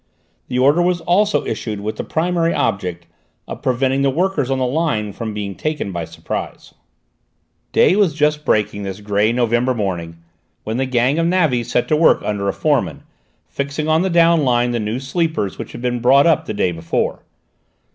The order was also issued with the primary object of preventing the workers on the line from being taken by surprise. Day was just breaking this grey December morning, when the gang of navvies set to work under a foreman, fixing on the down line the new sleepers which had been brought up the day before.